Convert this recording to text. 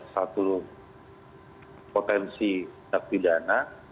satu potensi dakti dana